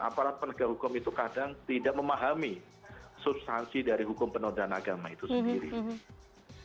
aparat penegak hukum itu kadang tidak memahami substansi dari hukum penodaan agama itu sendiri